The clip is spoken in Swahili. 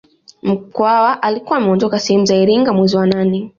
Mkwawa alikuwa ameondoka sehemu za Iringa mwezi wa nane